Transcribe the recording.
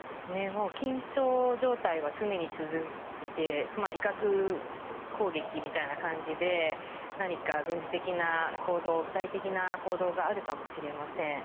もう緊張状態は常に続いて威嚇攻撃みたいな感じで何か軍事的な行動具体的な行動があるかもしれません。